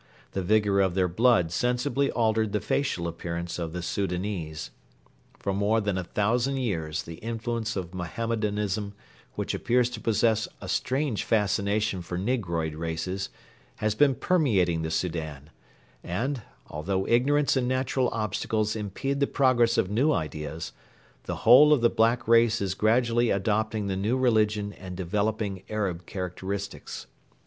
The vigour of their blood sensibly altered the facial appearance of the Soudanese. For more than a thousand years the influence of Mohammedanism, which appears to possess a strange fascination for negroid races, has been permeating the Soudan, and, although ignorance and natural obstacles impede the progress of new ideas, the whole of the black race is gradually adopting the new religion and developing Arab characteristics.